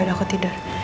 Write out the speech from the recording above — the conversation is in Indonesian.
ya udah aku tidur